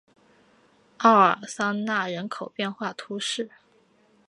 奥尔桑讷人口变化图示